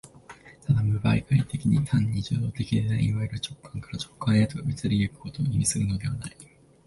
ただ無媒介的に、単に受働的ないわゆる直観から直観へと移り行くことを意味するのではない。